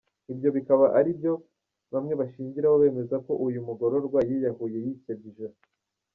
Ibyo bikaba aribyo bamwe bashingiraho bemeza ko uyu mugororwa yiyahuye yikebye ijosi.